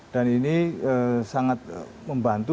dan ini sangat membantu